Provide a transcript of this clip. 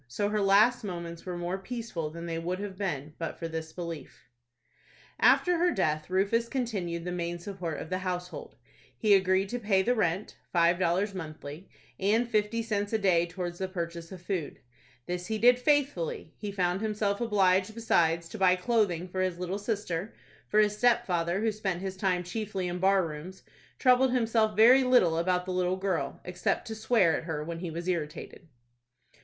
So her last moments were more peaceful than they would have been but for this belief. After her death, Rufus continued the main support of the household. He agreed to pay the rent,—five dollars monthly,—and fifty cents a day towards the purchase of food. This he did faithfully. He found himself obliged, besides, to buy clothing for his little sister, for his stepfather, who spent his time chiefly in bar rooms, troubled himself very little about the little girl, except to swear at her when he was irritated.